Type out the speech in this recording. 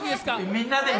みんなでね